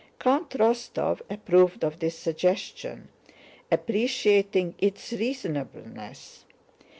Count Rostóv approved of this suggestion, appreciating its reasonableness.